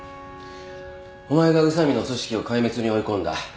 お前が宇佐美の組織を壊滅に追い込んだ。